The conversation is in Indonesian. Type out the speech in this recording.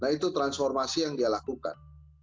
nah itu transformasi yang dia lakukan